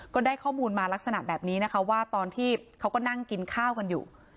ก็ได้ข้อมูลมาลักษณะแบบนี้นะคะว่าตอนที่เขาก็นั่งกินข้าวกันอยู่